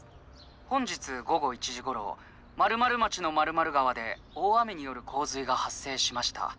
本日午後１時ごろ○○町の○○川で大雨によるこう水がはっ生しました。